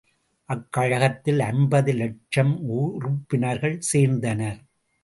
அக்கழகத்தில் ஐம்பது இலட்சம் உறுப்பினர்கள் சேர்ந்தனர்.